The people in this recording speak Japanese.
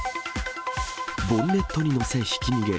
ボンネットに乗せひき逃げ。